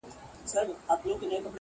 په دوزخي غېږ کي به یوار جانان و نه نیسم,